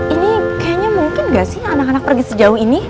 ini kayaknya mungkin gak sih anak anak pergi sejauh ini